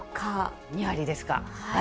２割ですか。